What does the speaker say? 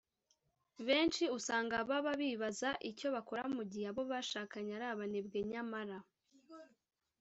Benshi usanga baba bibaza icyo bakora mu gihe abo bashakanye ari abanebwe nyamara